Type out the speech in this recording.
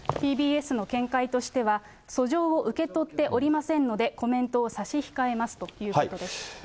ＴＢＳの見解としては、訴状を受け取っておりませんので、コメントを差し控えますということです。